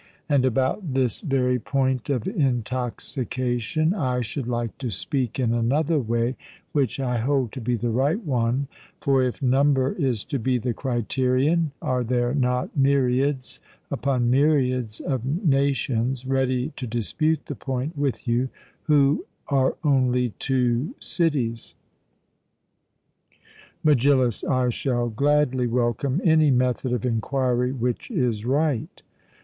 And about this very point of intoxication I should like to speak in another way, which I hold to be the right one; for if number is to be the criterion, are there not myriads upon myriads of nations ready to dispute the point with you, who are only two cities? MEGILLUS: I shall gladly welcome any method of enquiry which is right.